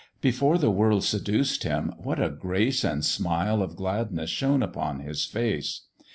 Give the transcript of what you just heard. Before the world seduced him, what a grace And smile of gladness shone upon his face!